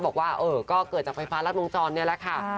บอกว่าก็เกิดจากไฟฟ้ารัดวงจรนี่แหละค่ะ